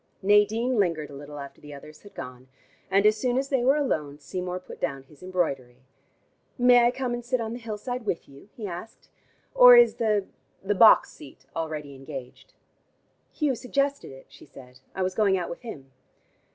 Nadine lingered a little after the others had gone, and as soon as they were alone Seymour put down his embroidery. "May I come and sit on the hillside with you?" he asked. "Or is the the box seat already engaged?" "Hugh suggested it," she said. "I was going out with him."